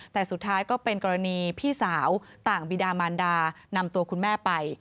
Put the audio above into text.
แต่สุดท้ายก็เป็นกรณีพี่สาวต่างบีดามานดานำตัวคุณแม่ไป